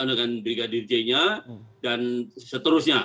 dengan brigadir j nya dan seterusnya